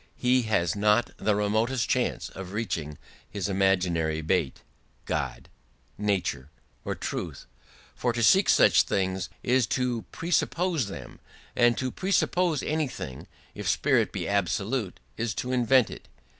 He has not the remotest chance of reaching his imaginary bait God, nature, or truth; for to seek such things is to presuppose them, and to presuppose anything, if spirit be absolute, is to invent it.